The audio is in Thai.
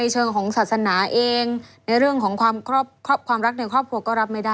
เชิงของศาสนาเองในเรื่องของความรักในครอบครัวก็รับไม่ได้